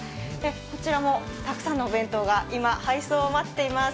こちらもたくさんの弁当が今、配送を待っています。